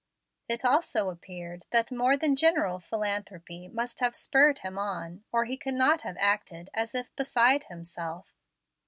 It also appeared that more than general philanthropy must have spurred him on, or he could not have acted as if "beside himself."